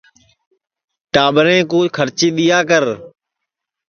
ٹاٻریں کُو کھرچی دؔیا کر